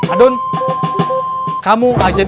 adun kamu agen dua